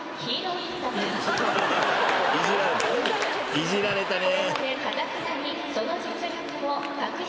「いじられたね」